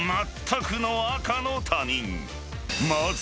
［まず］